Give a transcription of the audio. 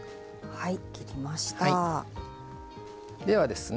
はい。